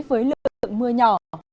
với lượng mưa nhỏ